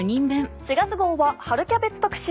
４月号は春キャベツ特集。